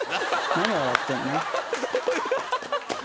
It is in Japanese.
何笑ってんの？